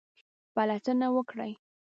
پلټنه وکړئ